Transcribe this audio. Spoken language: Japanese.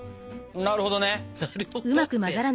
なるほどね！